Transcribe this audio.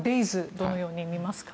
どのように見ますか？